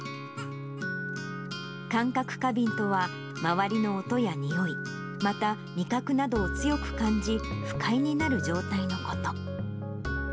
感覚過敏とは、周りの音やにおい、また味覚などを強く感じ、不快になる状態のこと。